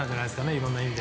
いろんな意味で。